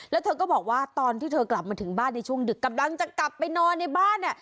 แล้วเธอก็บอกว่าตอนที่เธอกลับมาถึงบ้านในช่วงดึกกำลังจะกลับไปนอนในบ้านเนี่ย